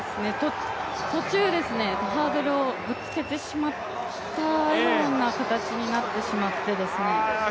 途中、ハードルをぶつけてしまったような形になってしまって。